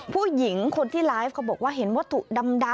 ผู้หญิงคนที่ไลฟ์เขาบอกว่าเห็นวัตถุดำ